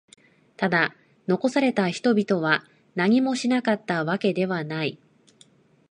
ただ、残された人々は何もしなかったわけではない。